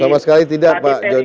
sama sekali tidak pak joni